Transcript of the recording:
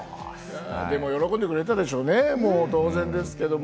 でも喜んでくれたでしょうね、当然ですけれども。